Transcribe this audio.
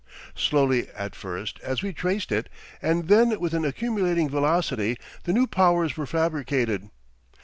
Slowly at first, as we traced it, and then with an accumulating velocity, the new powers were fabricated.